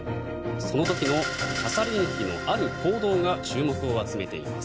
その時のキャサリン妃のある行動が注目を集めています。